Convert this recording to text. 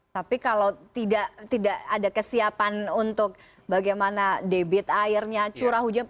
tapi kalau tidak ada kesiapan untuk bagaimana debit airnya curah hujan